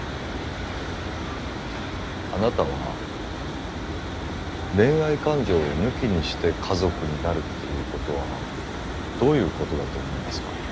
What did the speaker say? あなたは恋愛感情を抜きにして家族になるっていうことはどういうことだと思いますか？